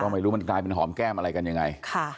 ไม่รู้มันกลายเป็นหอมแก้มอะไรกันยังไง